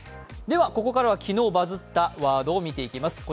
ではここからは昨日バズったワードを見ていきます。